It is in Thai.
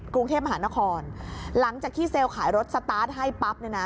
กรุงเทพมหานครหลังจากที่เซลล์ขายรถสตาร์ทให้ปั๊บเนี่ยนะ